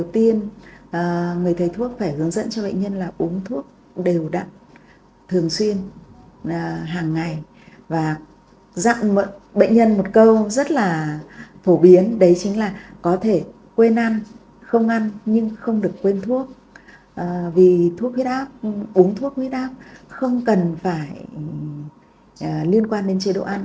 thuốc huyết áp uống thuốc huyết áp không cần phải liên quan đến chế độ ăn